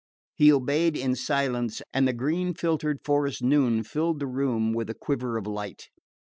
He obeyed in silence, and the green filtered forest noon filled the room with a quiver of light.